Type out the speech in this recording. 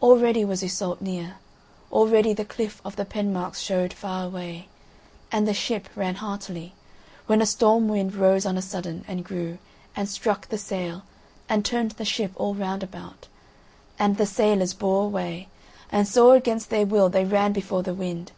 Already was Iseult near; already the cliff of the Penmarks showed far away, and the ship ran heartily, when a storm wind rose on a sudden and grew, and struck the sail, and turned the ship all round about, and the sailors bore away and sore against their will they ran before the wind.